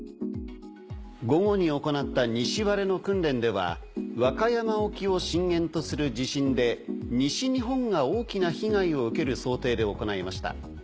午後に行った西割れの訓練では和歌山沖を震源とする地震で西日本が大きな被害を受ける想定で行いました。